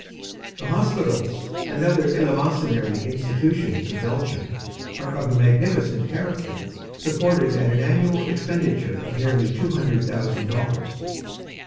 The hospitals and other eleemosynary institutions of Belgium are of a magnificent character, supported at an annual expenditure of nearly two hundred thousand dollars.